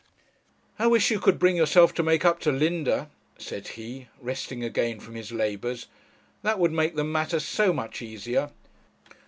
'I wish you could bring yourself to make up to Linda,' said he, resting again from his labours; 'that would make the matter so much easier.'